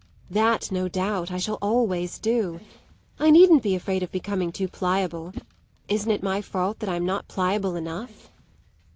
That, no doubt, I shall always do. I needn't be afraid of becoming too pliable; isn't it my fault that I'm not pliable enough?"